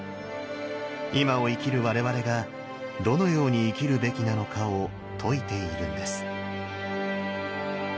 今を生きる我々がどのように生きるべきなのかを説いているんです。